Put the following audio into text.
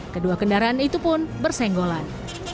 kedua kendaraan itu pun bersenggolan